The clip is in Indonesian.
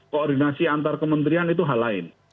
koordinasi antar kementerian itu hal lain